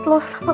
kamu bisa jalan